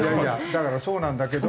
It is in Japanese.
だからそうなんだけど。